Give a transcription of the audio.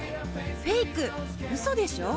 フェイク、うそでしょう。